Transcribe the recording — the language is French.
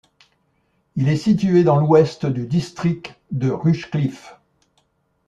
Il est situé dans l'ouest du district de Rushcliffe.